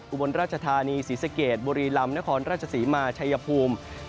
อุบลราชธานีศรีสะเกดบุรีลำนครราชศรีมาชัยภูมิ